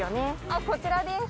こちらです。